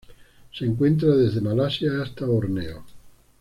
Se encuentra desde Malasia hasta Borneo.